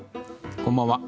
こんばんは。